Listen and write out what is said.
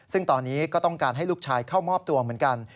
ซึ่งตอนนี้ก็ต้องการให้ลูกชายเข้ามอบตัวเหมือนกัน